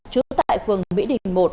trú tại phường mỹ đình một